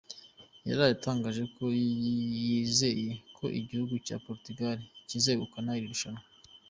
Yaraye atangaje ko yizeye ko igihugu cye cya Portugal kizegukana iri rushanwa.